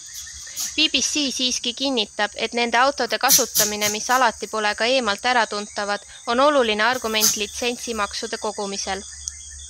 BBC siiski kinnitab, et nende autode kasutamine, mis alati pole ka eemalt äratuntavad, on oluline argument litsentsimaksude kogumisel.